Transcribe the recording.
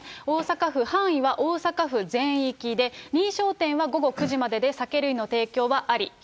大阪府、範囲は大阪府全域で、認証店は午後９時までで、酒類の提供はあり。